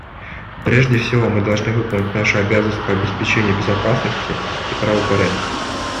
Прежде всего мы должны выполнить нашу обязанность по обеспечению безопасности и правопорядка.